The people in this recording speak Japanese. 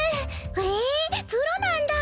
へえプロなんだ。